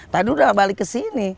tadi udah balik kesini